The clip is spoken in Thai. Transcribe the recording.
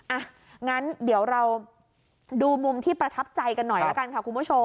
อ่ะงั้นเดี๋ยวเราดูมุมที่ประทับใจกันหน่อยละกันค่ะคุณผู้ชม